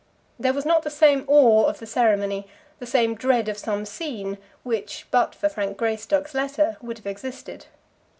There was not the same awe of the ceremony, the same dread of some scene, which, but for Frank Greystock's letter, would have existed.